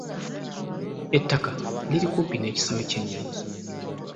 Ettaka liri kumpi n'ekisaawe ky'ennyonyi.